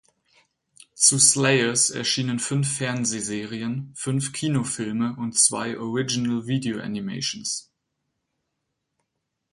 Zu Slayers erschienen fünf Fernsehserien, fünf Kinofilme und zwei Original Video Animations.